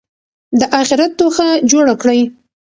د آخرت توښه جوړه کړئ.